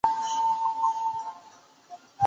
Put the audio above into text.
阿拉伯联合酋长国队进入十强赛阶段。